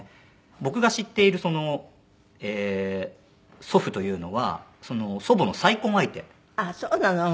僕が知っている祖父というのは祖母の再婚相手なので。